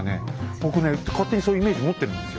僕ね勝手にそういうイメージ持ってるんですよ